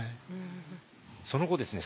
その後ですね